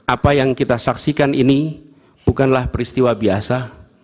apa yang kita saksikan ini bukanlah peristiwa biasa